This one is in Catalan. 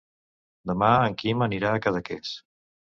Demà en Quim anirà a Cadaqués.